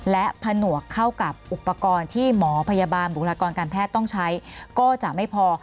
และผนวกเข้ากับอุปกรณ์ที่หมอพยาบาลบุคลากรการแพทย์ต้องใช้ก็จะไม่พอ